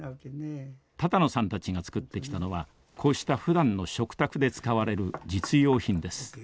多々納さんたちが作ってきたのはこうしたふだんの食卓で使われる実用品です。